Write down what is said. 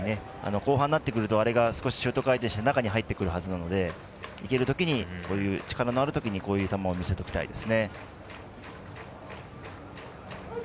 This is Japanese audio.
後半になってくるとあれがシュート回転になって中に入っていくので力のあるうちにこういう球を見せておきたいです。